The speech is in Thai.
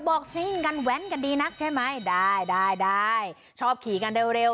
บอกซิ่งกันแว้นกันดีนักใช่ไหมได้ได้ชอบขี่กันเร็ว